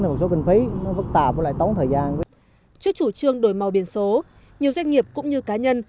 trước chủ trương đổi màu biển số nhiều doanh nghiệp cũng như cá nhân